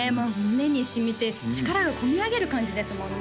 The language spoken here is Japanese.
胸に染みて力がこみ上げる感じですもんね